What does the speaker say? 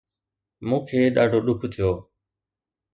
مون کي ڏاڍو ڏک ٿيو